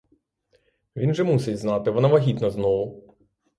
Він же мусить знати, вона вагітна знову!